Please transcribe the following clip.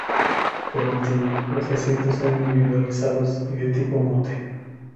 Por último, los asientos son individualizados y de tipo "Motte".